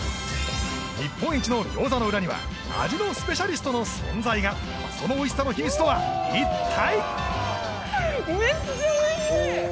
日本一のギョーザの裏には味のスペシャリストの存在がそのおいしさの秘密とは一体？